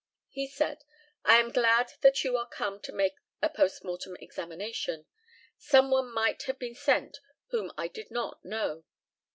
He said, "I am glad that you are come to make a post mortem examination. Some one might have been sent whom I did not know."